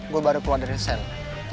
gue baru keluar dari sel